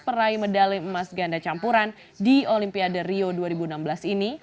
peraih medali emas ganda campuran di olimpiade rio dua ribu enam belas ini